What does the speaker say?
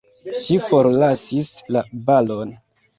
Ŝi forlasis la balon!